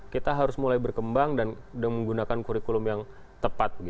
kita harus mulai berkembang dan menggunakan kurikulum yang tepat